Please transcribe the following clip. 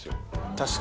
確かに。